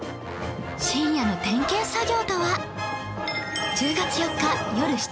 深夜の点検作業とは？